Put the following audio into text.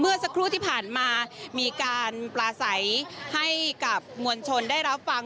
สักครู่ที่ผ่านมามีการปลาใสให้กับมวลชนได้รับฟัง